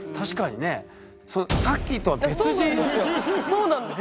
そうなんですよ。